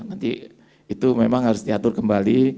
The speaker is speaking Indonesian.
nanti itu memang harus diatur kembali